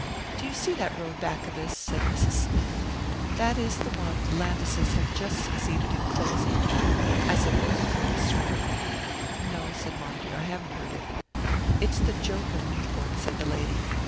"Do you see that road back of us?" said Mrs. Smythe. "That is the one the Landises have just succeeded in closing. I suppose you've heard the story." "No," said Montague, "I haven't heard it." "It's the joke of Newport," said the lady.